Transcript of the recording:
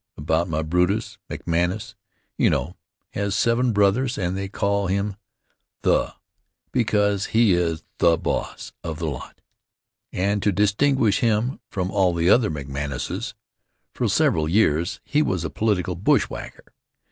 About my Brutus. McManus, you know, has seven brothers and they call him "The" because he is the boss of the lot, and to distinguish him from all other McManuses. For several years he was a political bushwhacker.